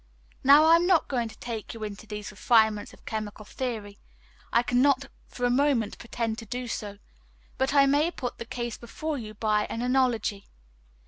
Now I am not going to take you into these refinements of chemical theory, I cannot for a moment pretend to do so, but I may put the case before you by an analogy.